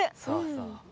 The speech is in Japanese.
そうそう。